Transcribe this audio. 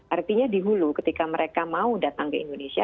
artinya di hulu ketika mereka mau datang ke indonesia